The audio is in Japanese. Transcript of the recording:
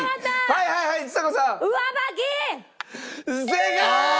正解！